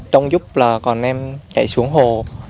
trong giúp là còn em chạy xuống hồ